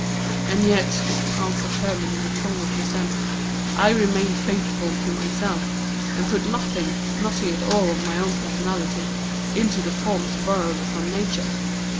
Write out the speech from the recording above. "And yet," answered Hermon in a tone of dissent, "I remained faithful to myself, and put nothing, nothing at all of my own personality, into the forms borrowed from Nature."